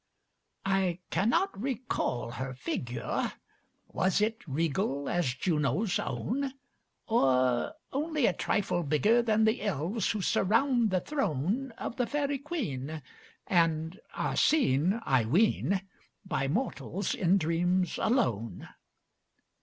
I cannot recall her figure: Was it regal as JunoŌĆÖs own? Or only a trifle bigger Than the elves who surround the throne Of the Fa├½ry Queen, and are seen, I ween, By mortals in dreams alone?